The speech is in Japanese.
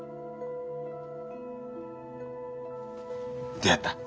どやった？